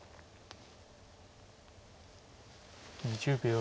２０秒。